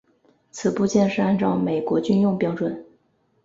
此部件是按照美国军用标准。